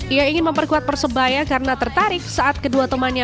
ia ingin memperkuat persebaya karena tertarik saat kedua temannya